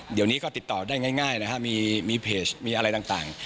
เดี๋ยวนี้ก็ติดต่อได้ง่ายนะครับมีเพจมีอะไรต่าง